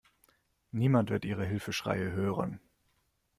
Niemand wird Ihre Hilfeschreie hören.